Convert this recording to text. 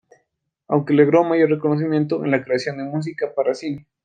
Aunque logró mayor reconocimiento en la creación de música para cine.